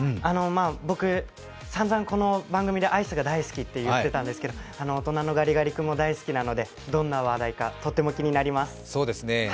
僕、さんざんこの番組でアイスが大好きって言ってたんですけど大人なガリガリ君も大好きなのでどんな話題かとても気になります。